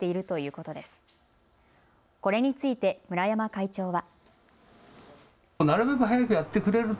これについて村山会長は。